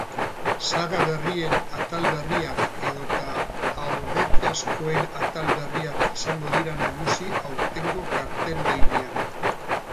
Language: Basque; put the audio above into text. Saga berrien atal berriak edota aurretiazkoen atal berriak izango dira nagusi aurtengo karteldegian.